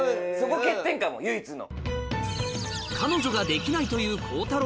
欠点かも唯一の。